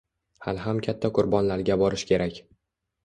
hali ham katta qurbonlarga borish kerak